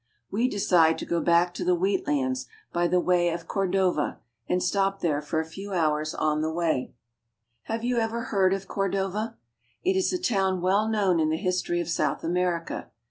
We decide to go back to the wheat lands by the way of Cor'dova, and stop there for a few hours on the way. GREAT FRUIT AND BREAD LANDS. 1 85 Have you ever heard of Cordova? It is a town well known in the history of South America.